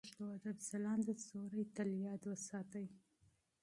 د پښتو ادب ځلانده ستوري تل یاد وساتئ.